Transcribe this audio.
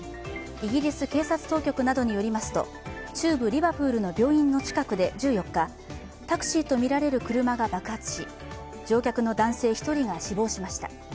イギリス警察当局などによりますと中部リバプールの病院の近くで１４日、タクシーとみられる車が爆発し、乗客の男性１人が死亡しました。